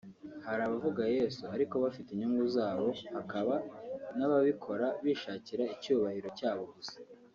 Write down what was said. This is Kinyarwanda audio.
Hari abavuga Yesu ariko bafite inyungu zabo hakaba n’ababikora bishakira icyubahiro cyabo gusa